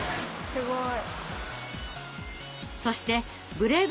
すごい。